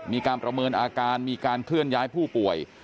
มีการประเมินอาการมีการเคลื่อนย้ายผู้ป่วย